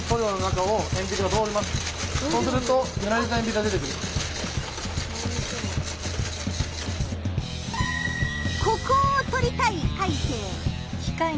そうするとここを撮りたいカイセイ。